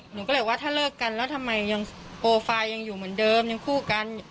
หนูก็เลยว่าถ้าเลิกกันแล้วทำไมยังโปรไฟล์ยังอยู่เหมือนเดิมยังคู่กัน